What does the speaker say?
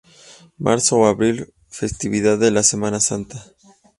Marzo ó Abril: Festividad de La Semana Santa.